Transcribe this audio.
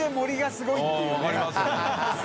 すごい。